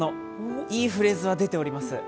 いいフレーズは出ております。